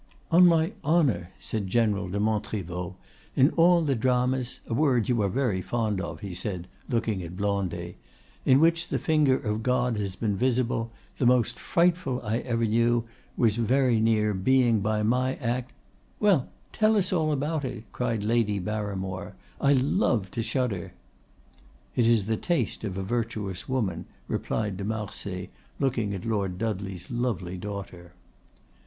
"On my honor!" said General de Montriveau, "in all the dramas—a word you are very fond of," he said, looking at Blondet—"in which the finger of God has been visible, the most frightful I ever knew was very near being by my act——" "Well, tell us all about it!" cried Lady Barimore; "I love to shudder!" "It is the taste of a virtuous woman," replied de Marsay, looking at Lord Dudley's lovely daughter.